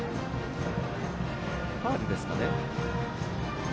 ファウルですかね。